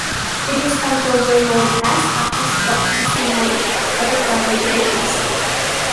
It is also well known as a hotspot to see monarch butterfly migrations.